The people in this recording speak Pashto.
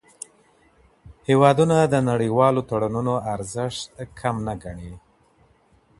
هیوادونه د نړیوالو تړونونو ارزښت کم نه ګڼي.